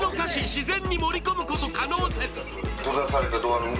自然に盛り込むこと可能説